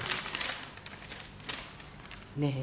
ねえ？